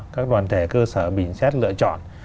các đoàn thể cơ sở bình xét lựa chọn